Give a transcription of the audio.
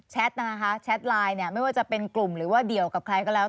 นะคะแชทไลน์เนี่ยไม่ว่าจะเป็นกลุ่มหรือว่าเดี่ยวกับใครก็แล้ว